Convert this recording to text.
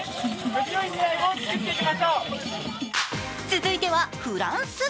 続いてはフランス。